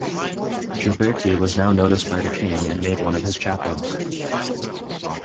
Gioberti was now noticed by the king and made one of his chaplains.